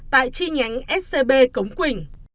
tại chi nhánh scb cống quỳnh